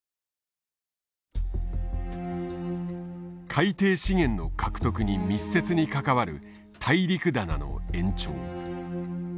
海底資源の獲得に密接に関わる大陸棚の延長。